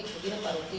mungkin pak ruki